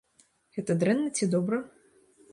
Гэта дрэнна ці добра?